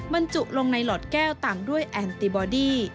บรรจุลงในหลอดแก้วตามด้วยแอนติบอดี้